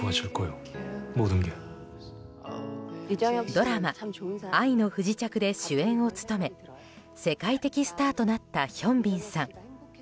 ドラマ「愛の不時着」で主演を務め世界的スターとなったヒョンビンさん。